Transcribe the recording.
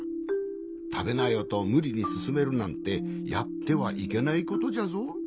「たべなよ」とむりにすすめるなんてやってはいけないことじゃぞ。